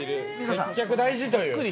接客大事という。